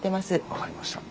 分かりました。